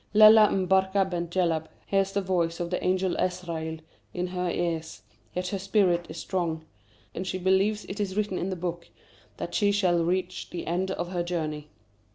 Lella M'Barka Bent Djellab hears the voice of the Angel Azraïl in her ears, yet her spirit is strong, and she believes it is written in the Book that she shall reach the end of her journey.